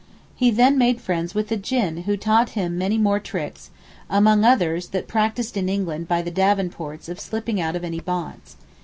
He then made friends with a Jinn who taught him many more tricks—among others, that practised in England by the Davenports of slipping out of any bonds.